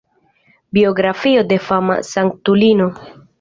Biografio de fama sanktulino.